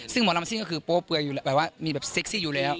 ซึ่งหมอลำซิ่งก็คือโป๊เปลือยอยู่แล้วแบบว่ามีแบบเซ็กซี่อยู่แล้ว